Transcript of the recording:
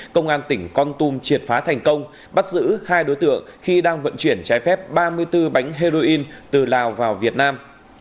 công an tỉnh con tum triệt phá thành công bắt giữ hai đối tượng khi đang vận chuyển trái phép ba mươi bốn bánh heroin từ lào vào việt nam